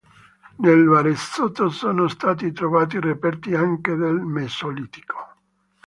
Nel Varesotto sono stati trovati reperti anche del Mesolitico.